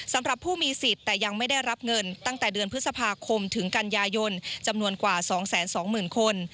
สำหรับผู้มีสิทธิ์แต่ยังไม่ได้รับเงินตั้งแต่เดือนพฤษภาคมถึงกันยายนจำนวนกว่า๒๒๐๐๐คน